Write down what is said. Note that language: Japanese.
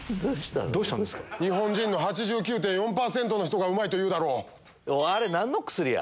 日本人の８９．４％の人がうまい！と言うだろう。